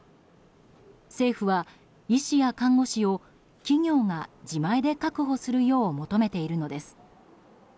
政府は、医師や看護師を企業が自前で確保するよう求めているのです。